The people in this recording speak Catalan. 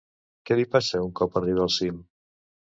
Què li passa un cop arriba al cim?